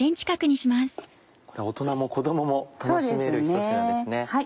これ大人も子供も楽しめるひと品ですね。